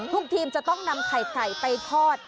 ทีมจะต้องนำไข่ไก่ไปทอด